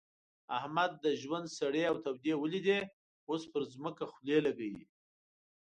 احمد د ژوند سړې او تودې وليدې؛ اوس پر ځمکه خولې لګوي.